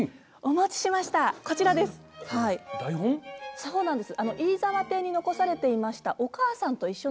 そうなんですよ。